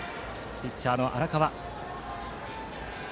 ピッチャーの荒川。